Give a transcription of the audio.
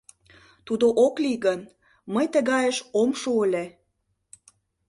Тудо ок лий гын, мый тыгайыш ом шу ыле...